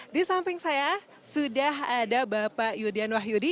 di samping saya sudah ada bapak yudhian wahyudi